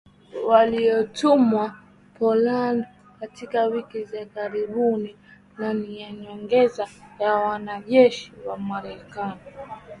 waliotumwa Poland katika wiki za karibuni na ni nyongeza ya wanajeshi wa Marekani